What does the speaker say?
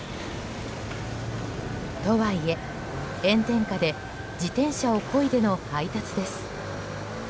とはいえ、炎天下で自転車をこいでの配達です。